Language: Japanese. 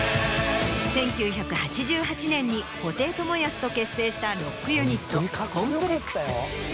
１９８８年に布袋寅泰と結成したロックユニットＣＯＭＰＬＥＸ。